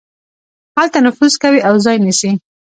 هلته نفوذ کوي او ځای نيسي.